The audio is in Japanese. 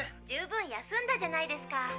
十分休んだじゃないですか。